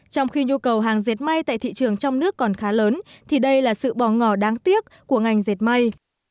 trong khi nhu cầu hàng dệt may tại thị trường trong nước còn khá lớn thì đây là sự bỏ ngỏ đáng tiếc của ngành dệt may